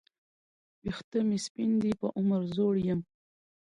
وېښته مي سپین دي په عمر زوړ یم